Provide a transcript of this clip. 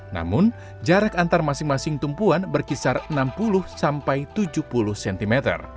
namun jarak antar masing masing tumpuan berkisar enam puluh sampai tujuh puluh cm